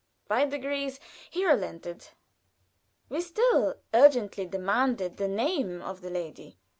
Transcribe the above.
By degrees he relented. We still urgently demanded the name of the lady.